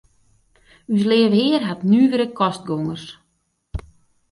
Us Leave Hear hat nuvere kostgongers.